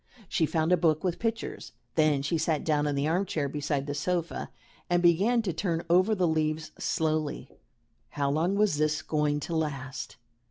She found a book with pictures. Then she sat down in the armchair beside the sofa and began to turn over the leaves slowly. How long was this going to last?